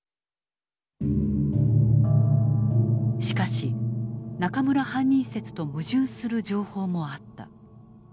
しかし中村犯人説と矛盾する情報もあった。